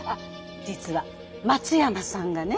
実は松山さんがね。